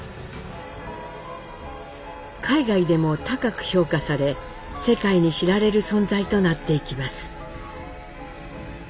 海外でも高く評価され世界に知られる存在となっていきます。